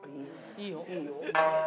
いいよ。